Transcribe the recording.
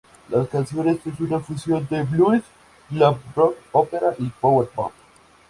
La canción es una fusión de "blues", "glam rock", ópera y "power pop".